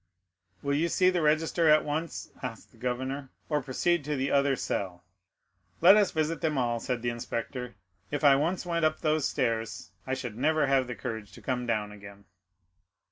0173m "Will you see the register at once," asked the governor, "or proceed to the other cell?" "Let us visit them all," said the inspector. "If I once went up those stairs. I should never have the courage to come down again."